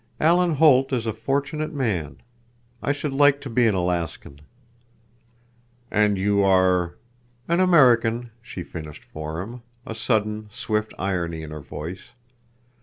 Alan Holt is a fortunate man. I should like to be an Alaskan." "And you are—" "An American," she finished for him, a sudden, swift irony in her voice.